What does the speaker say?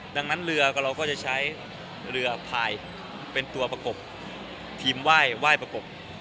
ดังนั้นเรือเราก็จะใช้เรือพายเป็นตัวประกบทีมไหว้ประกบ